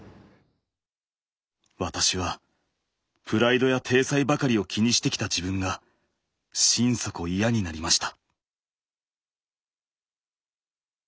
私はプライドや体裁ばかりを気にしてきた自分が心底嫌になりました。